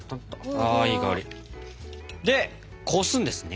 ああいい香り。でこすんですね？